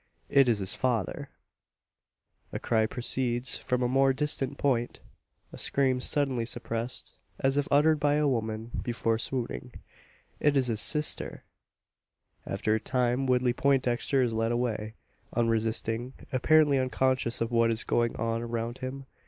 It is his father! A cry proceeds from a more distant point a scream suddenly suppressed, as if uttered by a woman before swooning. It is his sister! After a time, Woodley Poindexter is led away unresisting, apparently unconscious of what is going on around him.